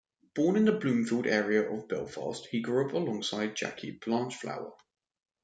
Born in the Bloomfield area of Belfast, he grew up alongside Jackie Blanchflower.